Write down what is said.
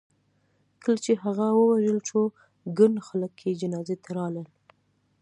کله چې هغه ووژل شو ګڼ خلک یې جنازې ته لاړل.